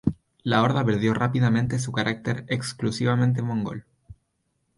La Horda perdió rápidamente su carácter exclusivamente mongol.